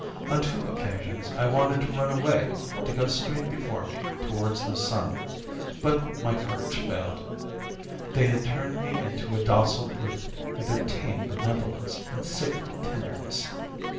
On two occasions, I wanted to run away, to go straight before me, towards the sun; but my courage failed. They had turned me into a docile brute with their tame benevolence and sickly tenderness.